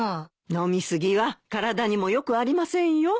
飲み過ぎは体にもよくありませんよ。